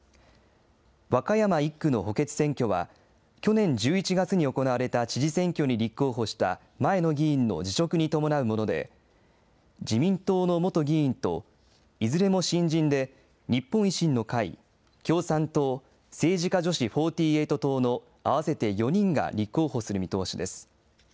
和歌山１区の補欠選挙は去年１１月に行われた知事選挙に立候補した前の議員の辞職に伴うもので、自民党の元議員と、いずれも新人で日本維新の会、共産党、政治家女子４８党の合わせて４人が立候補する見通しです。